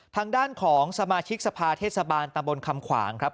ทางด้านของสมาชิกสภาเทศบาลตำบลคำขวางครับ